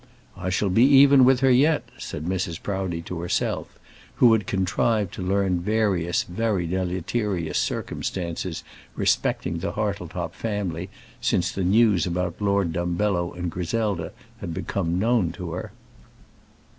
"I shall be even with her yet," said Mrs. Proudie to herself, who had contrived to learn various very deleterious circumstances respecting the Hartletop family since the news about Lord Dumbello and Griselda had become known to her.